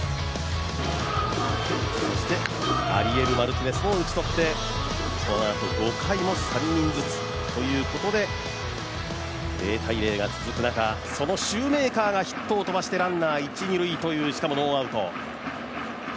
そしてアリエル・マルティネスも打ち取って５回も３人ずつということで、０−０が続く中そのシューメーカーがヒットを飛ばしてランナー、一・二塁しかもノーアウト。